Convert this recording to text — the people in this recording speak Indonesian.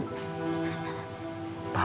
bapak mau berjalan